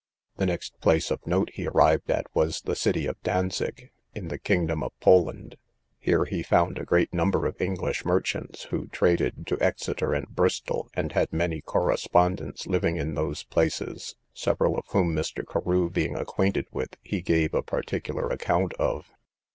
The next place of note he arrived at was the city of Dantzic, in the kingdom of Poland: here he found a great number of English merchants who traded to Exeter, and Bristol, and had many correspondents living in those places, several of whom Mr. Carew being acquainted with, he gave a particular account of.